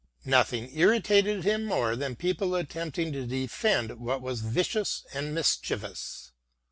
Nothing irritated him more than people attempting to defend what was vicious and mischievous.